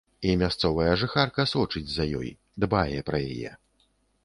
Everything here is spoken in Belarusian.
І мясцовая жыхарка сочыць за ёй, дбае пра яе.